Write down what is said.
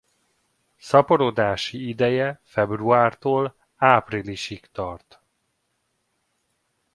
Szaporodási ideje februártól áprilisig tart.